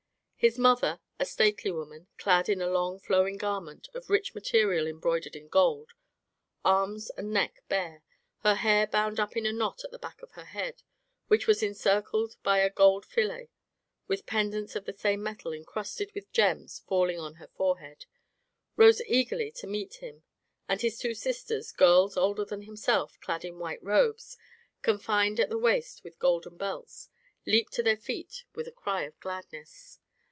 His mother, a stately woman, clad in a long flowing garment of rich material embroidered in gold, arms and neck bare, her hair bound up in a knot at the back of her head, which was encircled by a golden fillet, with pendants of the same metal encrusted with gems falling on her forehead, rose eagerly to meet him, and his two sisters, girls older than himself, clad in white robes, confined at the waist with golden belts, leaped to their feet with a cry of gladness.